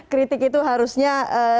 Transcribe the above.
kritik itu harusnya